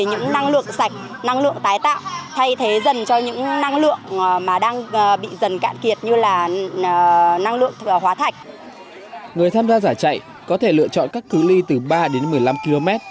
người tham gia giải chạy có thể lựa chọn các cứ ly từ ba đến một mươi năm km